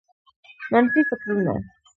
منفي فکرونه